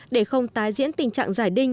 để không tái diễn tình trạng giải đinh